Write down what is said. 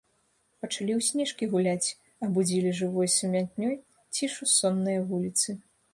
Пачалі ў снежкі гуляць, абудзілі жывой сумятнёй цішу соннае вуліцы.